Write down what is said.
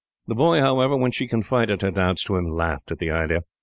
The boy, however, when she confided her doubts to him, laughed at the idea.